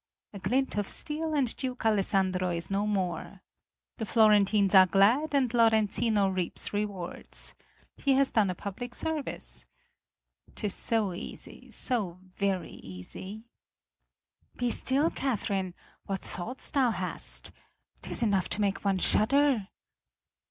A glint of steel, and Duke Alessandro is no more. The Florentines are glad, and Lorenzino reaps rewards. He has done a public service. 'Tis so easy, so very easy." "Be still, Catherine. What thoughts thou hast! 'Tis enough to make one shudder."